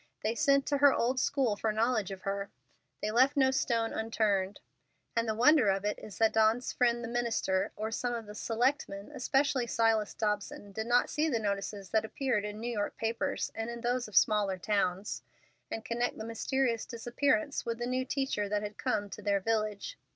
They sent to her old school for knowledge of her; they left no stone unturned. And the wonder of it is that Dawn's friend, the minister, or some of the selectmen, especially Silas Dobson, did not see the notices that appeared in New York papers and in those of smaller towns, and connect the mysterious disappearance with the new teacher that had come to their village.